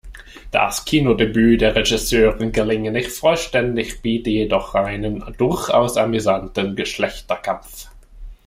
Das Kinodebüt der Regisseurin gelinge nicht vollständig, biete „jedoch einen durchaus amüsanten Geschlechterkampf“.